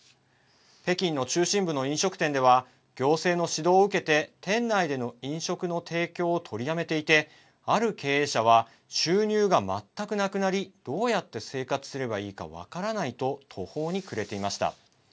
北京の中心部の飲食店では行政の指導を受けて店内での飲食の提供を取りやめていてある経営者は収入が全くなくなりどうやって生活すればいいか分からないと途方に暮れていました。